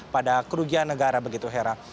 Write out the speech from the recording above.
pada kerugian negara begitu hera